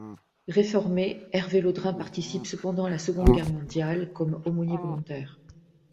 Réformé, Hervé Laudrin participe cependant à la Seconde Guerre mondiale comme aumônier volontaire.